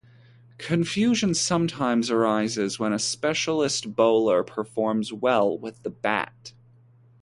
Confusion sometimes arises when a specialist bowler performs well with the bat.